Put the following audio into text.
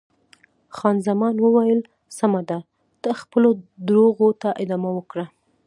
خان زمان وویل: سمه ده، ته خپلو درواغو ته ادامه ورکړه.